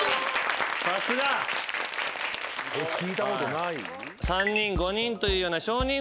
さすが。聞いたことない？